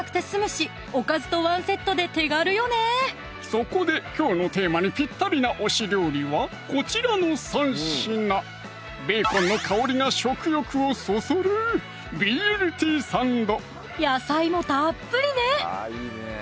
そこできょうのテーマにぴったりな推し料理はこちらの３品ベーコンの香りが食欲をそそる野菜もたっぷりね